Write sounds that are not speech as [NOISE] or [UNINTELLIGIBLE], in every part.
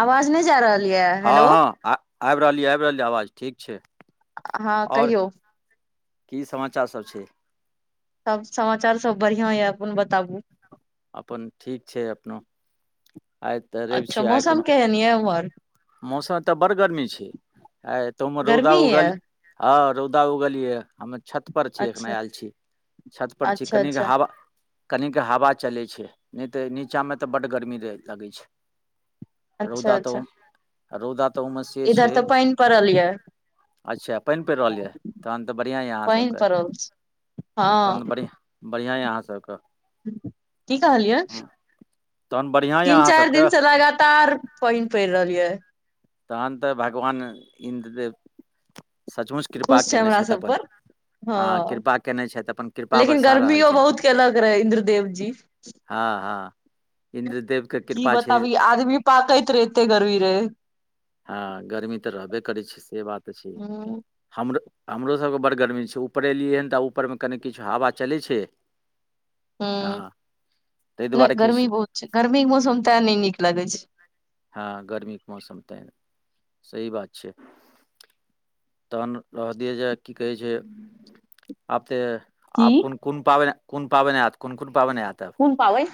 आवाज नहि जा रहल ये हँ हेलो हँ आ आबि रहली आबि रहली आवाज ठीक छै। हँ आओर कहियौ। की समाचार सब छै। सब समाचार सब बढ़िआँ यऽ अपन बताबु। अपन ठीक छै अपनो। आइ तऽ रवि अच्छा छियै आइ मौसम कोनो केहन यै उमहर। मौसम तऽ बड़ गर्मी छै आ ए तमे रौदा गर्मी ये उगल ह रौदा उगल यै हमे छत। छ पर छी एखने अच्छा आयल छी छत पर छी अच्छा कनिक अच्छा हवा। कनिक हवा चलै छै। नहि तऽ नीचाँमे तऽ बड्ड गर्मी रहै लगै छै। अच्छा अच्छा। आ रौदा तऽ ओमे से छै। इधर तऽ पानि पड़ल ये अच्छा पानि पड़ि रहल यए तहन तऽ बढ़िआँ यए पानि अहाँसभके। पड़ल आ तहन हँ बढ़ि बढ़िआँ यए अहाँसभके। की कहलियै तहन बढ़िआँ यऽ तीन अहाँ चारि सबके दिन से लगातार पैन पड़ि रहल यै। तहन तऽ भगवान इन्द्रदेव सचमुच कृपा खुश छै केने हमरा छथि। सब अपन पर हँ। कृपा कयने छथि। अपन कृपा लेकिन बरसा रहल गर्मियो छथि। बहुत केलक रहे इन्द्रदेव जी हँ हँ इन्द्र देव। की बताबी आदमी पाकैत रहेते गर्मी रहे। हँ गर्मी तऽ रहबे करै छै से बात छै। हूं हमरो हमरोसभके बड़ गरमी छै। ऊपर एयलियै हन तऽ आ ऊपरमे कनि किछु हवा चलै छै। [INAUDIBLE] ह हँ ताहि नहि दुआरे गर्मी किछु बहुत छै। गर्मी के मौसम तऽ नहि नीक लगै छै। हँ गर्मीके मौसम तऽ। सही बात छै। तहन रह दियै जे की कहै छै। आब तऽ की आप कोन कोन पावन कोन पावन आ कोन कोन पावने आत। कुन पाबैन।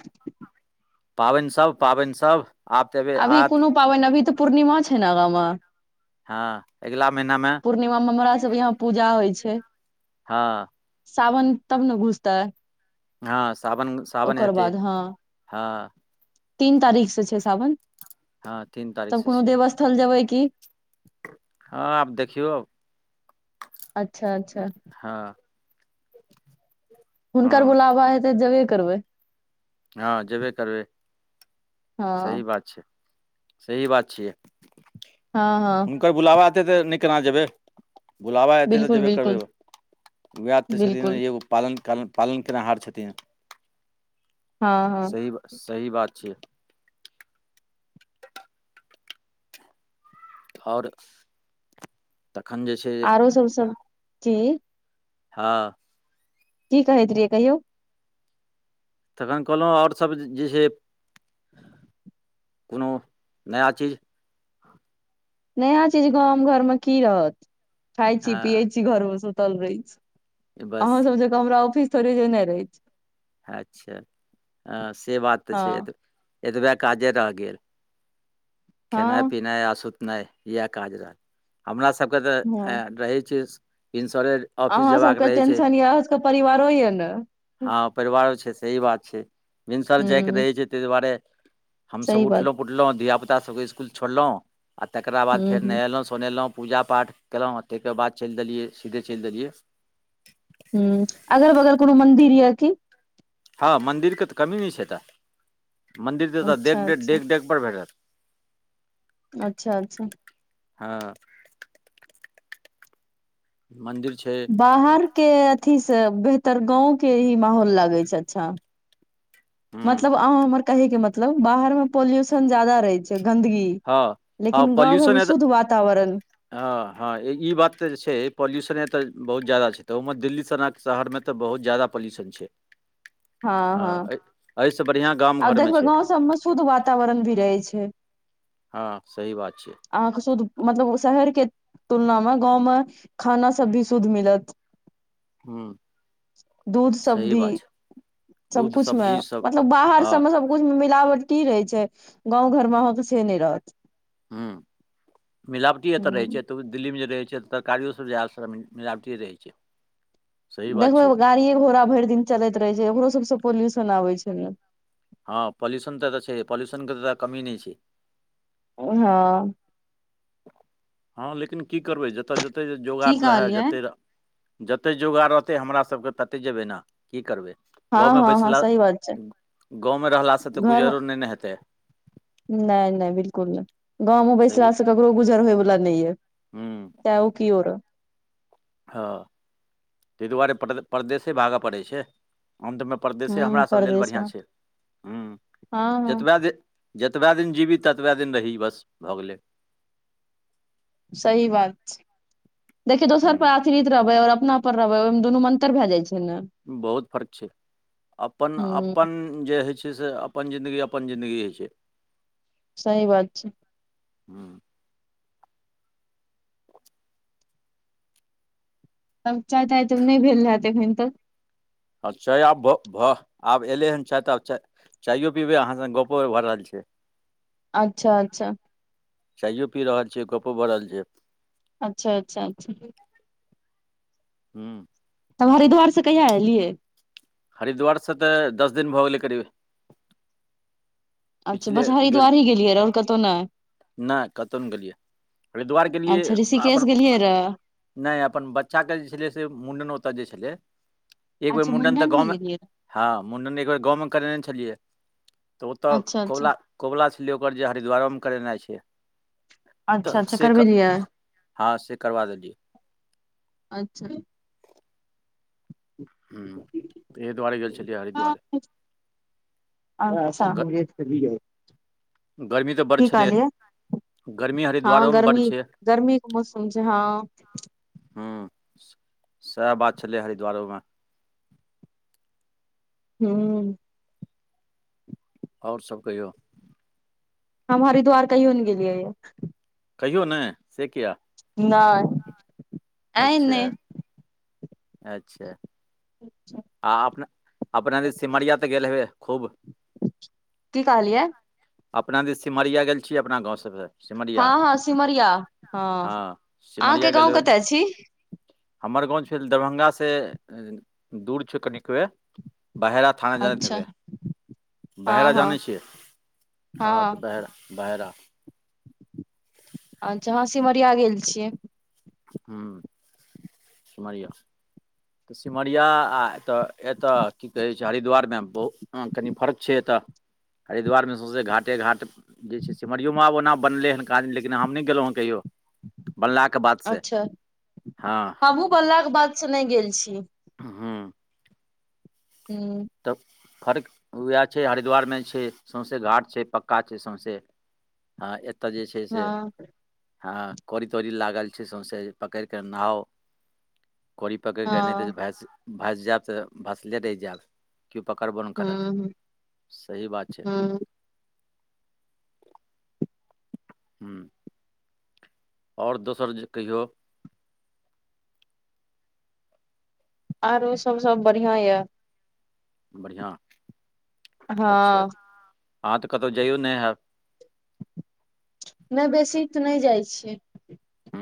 पाबनिसभ पाबनिसभ अभी कोनो पाबनि अभी तऽ पूर्णिमा छै। ने आगाँमे। हँ अगिला महिनामे। पूर्णिमा मे हमरा सब यंहा पूजा होइ छै। हँ। सावन तब ने बुझतै। हँ साबन साबन हतै बाद हँ हँ। तीन तारीख से छै सावन। हँ तीन तारीख तब से कोनो छै। देवस्थल जेबै की हँ आब देखियौ। अच्छा अच्छा। हँ। हुनकर हँ बुलाबा हेतै जेबे करबै। हँ जेबे करबै हँ सही बात छै। सही बात छियै। हँ हँ। हुनकर बुलावा एते तऽ नै केना जेबै। बुलाबा एतै तऽ बिल्कुल जेबे बिल्कुल करबैए, वैह तऽ छथिन बिल्कुल यो। पालन काल में पालन केनिहार छथिन। हँ हँ सही- सही बात छैियै। और तखन जे छै। आरो सब- सब की। हँ। की कहैत रहयै कहियौ। तखन कहलहुँ और सब जे छै, कोनो नया चीज। नया चीज गाम घर में की रहत, खााय छी पियै हँ छी घर में सुतल रहैत छी। बस अहाँ सब जंका हमरा ऑफिस थोड़े जेना रहैया। अच्छा ह से बात तऽ छै हँ एत। एतबे काजे रहि गेल। खेनाइ हँ पिनाइ आ सुत नहि इएह काज रहल हमरा सबके तऽ हँ रहै छै इन्स्योरे अहाँ सबके टेंशन यऽ अहाँ सबके परिवारो यऽ ने। हँ परिवारो छै, सही बात छै, भिनसर जायके हूँ रहै छै, तै दुआरे सही हमसभ बात उठलहुँ पुठलहुँ धियाापुता सभके इसकुल छोड़लहुँ। आ तकरा बाद हूँ फेर हूँ नहेलहुँ सोनेलहुँ पूजा पा कयलहुँ तै के बाद चलि देलियै सीधे चलि देलियै हूं अगर बगल कोनो मन्दिर यऽ की हँ मंन्दिर के तऽ कमी नहि छै एतऽ मंन्दिर तऽ एतऽ अच्छा डेग अच्छा -डेग - डेग -डेग [UNINTELLIGIBLE] अच्छा - अच्छा। हँ। मन्दिर छै। बाहरके अथीसँ बेहतर गाँवके ही माहौल लागै छै, अच्छा। हूँ मतलब अ हमर कहेके मतलब बाहर में पोल्युशन जादा रहै छै गन्दगी। हँ लेकिन गाँ घर में शुद्ध वातावरण। हं - हँ ई बात तऽ जे छै। पॉल्यूशने तऽ बहुत ज्यदा छै। त ओ दिल्ली स शहर में तऽ बहुत जादा पोल्यूशन छै। हँ- हँ। एहिसँ बढ़िआँ गाम आ घरमे देखबै छै गाँव सबमे शुद्ध वातावरण भी रहै छै। हँ सही बात छै। अहाँके शुद्ध मतलब शहरके तुलना में गाँव में खाना सब भी शुद्ध मिलत। ह दूध सब सही भी बात छै दूध सबकुछमे सब्जी सब मतलब बाहर हँ सबमे सबकुछ मे मिलावटी रहे छै। गाँंव घर महक से नहि रहत। हूं मिलावटी एतऽ रहै हूँ, छै। तब दिल्ली में जे रहै छैत तरकारियो सभ जाए हैत से मिलावटीए रहै छै। सही बात देखबे छै गाड़िए घोड़ा भरि दिन चलैत रहै छै, ओकरो सबसँ पोल्यूशन आबैत छै ने। हँ पल्युशन तऽ एतऽ छै। पल्युशन के तऽ एतऽ कमी नहि छै। ओ हँ। हँ लेकिन की करबै जतय जतेक की जोगाड़ रहय कहलियै जतेक। जते जोगार रहतै हमरा सभके ततहि जेबै ने की करबै। हँ गाँवमे हँ हँ बैसला, सही बात छै गाँवमे रहलासँ तऽ घर मे गुजरो नहि ने हेतै। नहि नहि बिलकुल नहि गाँवमे सही बैसलासँ ककरो गुजर होयवला नहि यऽ। हूँ ताउऽ की ओरो हँ, तैय दुआरे परदे-परदेसे भागऽ पड़ै छै। हाम तैऽ में परदेशे हूँ हमरा सभ लेल परदेश मे बढ़िआँ छै। हुम्म, हँ हँ जतबा दे जतबैऽ दिन जिबी, ततबाऽ दिन रही बस भऽ गेलै। सही बात छैय। देखि दोसर प आ हूँ थृरित रहबै और अपना पर रहबै, ओई दुनू मऽ अन्तर भए जाइ छै न? बहुत फर्क छै। हूँ अपन-अपन जे होइ छै से अपन जिंन्दगी अपन जिंन्दगी होइ छै। सही बात छै। हूँ। [INAUDIBLE] तब चाय-ताय तऽ नहि भेल हैत एखैन तक? आब चाय आब भऽ-भऽ आब एलै हन चाय तऽ आब चाय चाइयो पीबै, अहाँ संग गपो भऽ रहल छै। अच्छा अच्छा। चाइयो पी रहल छियै। गपो भऽ रहल छै। अच्छा-अच्छा-अच्छा। ह्म्म। तब हरिद्वार से कहिया एयलियै? हरिद्वारसँ तऽ दस दिन भऽ गेलै करीब अच्छा, पिछले बस हरिद्वार ही गेलियैऽ और कतहु नहि? नाय, कतौ नय गेलियै। हरिद्वार गेलियै अच्छा अपन ऋषिकेश गेलियै रऽ? नहि अपन बच्चाके जे छलै से मुण्डन ओतऽ जे छलै, एक बेर अच्छा मुण्डन तऽ मुंडन मे गाँवमे गेलियै हँ, मुंडन एक बेर गाँवमे करेने छलियै, तऽ ओतऽ रह अच्छा अच्छा कोबला छलै ओकर जे, हरिद्वारोमे करेनाइ छै। अच्छा तऽ अच्छा से कऽ, करबेलियै हँ से करबा देलियै। अच्छा। ह्म्म, तैहि दुआरे गेल छलियै हरिद्वारे। [UNINTELLIGIBLE] गर्मी तऽ बड़ की छलैय। कहलियै हँ गर्मी गर्मीे के मौसम छै, हँ। ह्म्म, सैह बात छलै हरिद्वारोमें। हूम्म। और सब कहियौ? हम हरिद्वार कहयो नै गेलियै यऽ। कहियौ नैय, से कियाऽ? नैय। अच्छा। अच्छा। अच्छा। आ अपना-अपना त सिमरिया तऽ गेले हेबै खूब? की कहलियै? अपना दिश सिमरिया गेल छीयै अपना गाँव सबसँ? सिमरिया हँ-हँ सिमरिया हँ, अहाँके सिमरिया गेल गाँव हेबै कतय छी? हमर गाँंव भेल दरभंगा से दूर छै कनीक बे बाहेरा थाना जानीत अच्छा हेबे। हँ बहरा हँ जानै छियै हँ तऽ बहरा बहेरा। अचछा हँ सिमरिया गेल छियै। ह्म सी। तऽ सिमरिया आ एतऽ एतय की कहै छै हरिद्वारमे बहुत कनि फर्क छै एतऽ हरिद्वारमे सौँसे घाटे घाट। जे छै सिमरियोमे आब ओना बनलै हन का लेकिन हम नहि गेलहुँ हेँ कहियओ बनलाके बाद। अच्छा हमहू बनलाके बादसँ नहि गेल छी। हँ। हूँ। तऽ फर्क। उएह छै हरिद्वारमे छै सौँसे घाट छै पक्का छै सौँसे। आ एतय जे छै से। हँ आ कड़ी तड़ी लागल छै सौंसे जे पकड़ क नहाऊ करी पकड़के नहि तऽ हँ भस भस जायब तऽ भसले रहि जायब। केओ पकड़बो नहि करत ह सही बात छै। ह हू। आओर दोसर जे कहियौ। आरो सब सब बढ़िया ये। बढ़िआँ अच्छा हँ अहाँ त कतहु जाइयौ नहि हयब। नहि बेसी तऽ नहि जाइ छियै। हू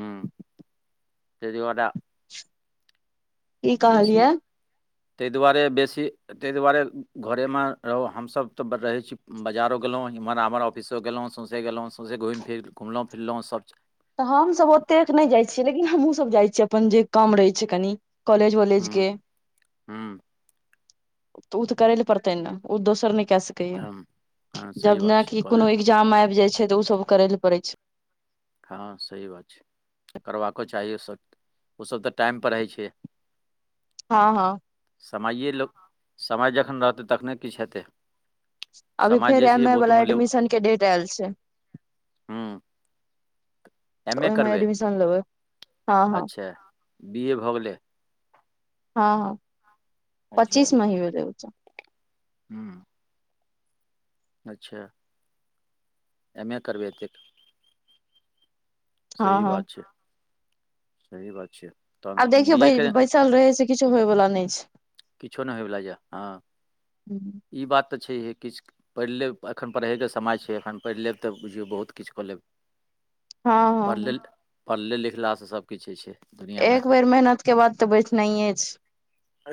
तै दुवारे। की बेसी कहलियै ताहि दुआरे बेसी। ताहि दुआरे घरे मे रहो हमस तऽ रहे छी बाजारो गेलों इम्हर आमहर। अफिसो गेलहुँ साउंसे साउंसे घुमि फिर घुमलहुँ फिरलहुँ। तऽ हमसभ ओतेक नहि जाइ छियै। लेकिन हमहूँ सब जाइ छीयै। अपन जे काम रहै छै कनी। कॉलेज वॉलेज के हू। ओ तऽ करै ले पड़तै ने ओ दोसर नहि क हूँ स हँ सही बात छै जबनाकि कॉलेज कोनो एग्जाम आबि जाइ छै। तऽ ओसभ करै लए पड़ै छै। हँ सही बात छै। करबाको चाही ओसभ ओसभ तऽ टाइमपर रहै छै। हँ हँ। समइए लोक समय जखन रहतै तखने किछु हेतै। अभी समय फेर जे छै एम ए बहुत वालला मूल्य एडमिशन के डेट आयल छै। हूँ एम ए ओहिमे करबै एडमिशन लेबै हँ हँ। अच्छा बी ए भऽ गेलै हँ हँ अच्छा पच्चीस महि रह छै। हूँ। अच्छा। एमे ए करबे एतेक हँ सही हँ बात छै। सही बात छियै। आब देखियौ बैसल रहै से किछो होय बला नहि छै। किछो नहि होइवला यऽ हँ ई बात तऽ छैहे किछु। पढ़ि लेब एखन पढ़यके समय छै एखन पढ़ि लेब तऽ बुझियौ बहुत किछु कऽ लेब। हँ पढ़ले हँ पढ़ले लिखलासँ सभकिछु होइ छै। दुनिआँ एक बेर मेहनत के बाद तऽ बैसनाइये छै।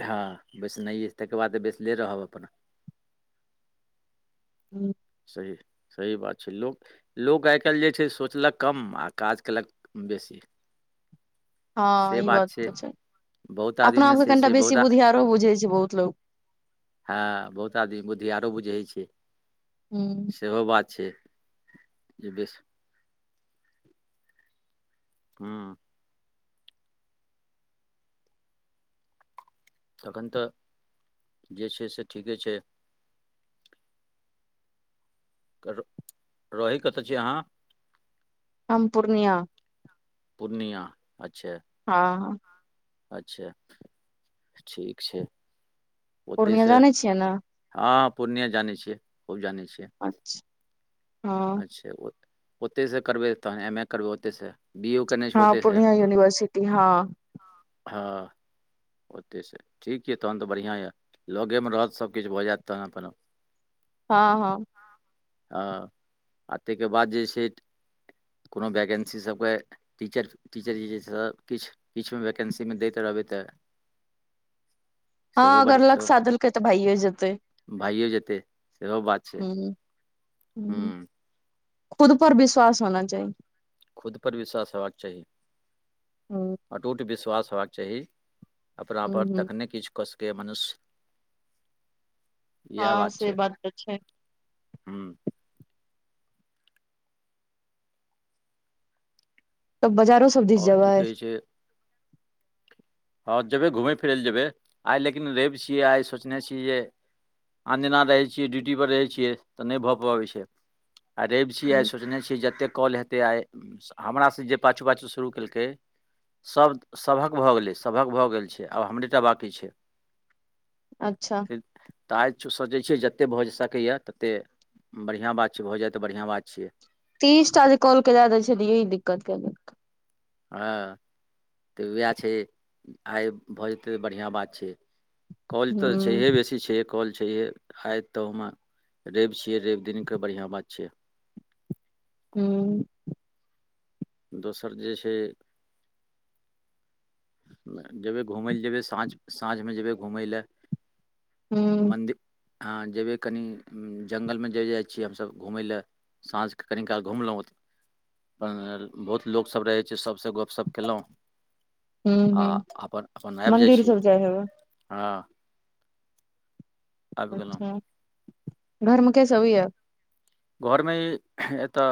हँ बेसनाइये, ताहि केर बाद त बैसले रहब अपन। हूँ। सही सही बात छै लोक। लोक आइ काल्हि जे छै सोचलक कम आ काज कयलक बेसी। हँ ई बात तऽ छै। बहुत अपना आदमीमे आपके से कनिटा छै बेसी बहुत आ- बुधियारो बुझै छै बहुत लोक हँ बहुत आदमी बुद्धियारो बुझै छियै। हुं। सेहो बात छै, जे बेसी हुं। तखन तऽ जे छै से ठीके छै। रहै कतऽ छी अहाँ? हम पूर्णिया पूर्णिया अच्छा। हँ। अच्छा ठीक छै पूर्णिया ओतहिसँ। जानै छियै ने हँ पूर्णिया जानै छियै, खूब जानै छियै। अच्छा। हँ अच्छा ओतहि से करबै, तखन एम ए करबै ओतयसँ, बी ए केने छी ओते आब त भ से गेलै यूनिवर्सिटी हँ। हँ ओतहि से। ठीक अछि तखन तऽ बढ़िआँ ये लगेमे रहत सभकिछु भऽ जायत तखन अपन। हँ हँ। ह। आ ताहिके बाद जे छै कोनो वैकेन्सी सभके टीचर टीचर जे छै, किछु किछुमे वैकेन्सीमे दैत रहबै तऽ [INAUDIBLE] हँ अगर लक साथ देलकै तऽ भइये जेतै। भइये जेतै सेहो बात छै। हूँ हूँ खुद पर विश्वास होना चाही। खुद पर विश्वास हेबाक चाही, हूँ अटूट विश्वास हेबाक चाही। अपनापर हूँ हूँ तखने किछु क सकैये मनुष्य। यैह हँ बात छै, से तऽ छै हुं। तऽ बजारो सब दिस और की जेबै कहै छै हँ जेबै घुमय फिरय लए जेबै, आइ लेकिन रवि छियै आइ सोचने छी जे आन दिना रहै छियै ड्यूटी पर रहै छियै तऽ नहि भऽ पबै छै रवि छियै आइ हूँ सोचने छियै जते कॉल हेत से आइ हमरा से जे पाछू पाछू शुरू केलकै सभक भऽ गेलै। सभक भऽ गेल छै आब हमरेटा बाँकी छै। अच्छा। ते आइ सोचने छियै जतेक भऽ सकैए ततेक। बढ़िआँ बात छै भऽ जाय तऽ बढ़िआँ बात छियै। तीसटा जे कॉलके ले दै छलिए ओहे दिककत छै। हँ तऽ उएह छै आइ भऽ जेतै तऽ बढ़िआँ बात छै। कॉल हूँ तऽ छैहे बेसी छै। कॉल छैे आत तऽ हमे रवि छियै रवि दिनके बढ़िआँ बात छियै। हू। दोसर जे छै। जेबै घुमय लए जेबै साँझ साँझमे जेबै घुमय लए। हूँ मन्दिर हँ जेयबै कनि जङ्गलमे जे जाइ छियै हमसभ घूमय लेए। साँझ क कनि काल घुमलहुँ। अपन बहुत लोकसब रहै छै सबसँ अपन गपशप कलहुँ। हूँ आ हूँ अपन अपन आबि जाइ मंदिर छी सब हेबै हँ। आबि गेलहुँ अच्छा घरमे के सब य। घरमे एतऽ।